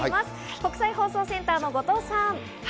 国際放送センターの後藤さん。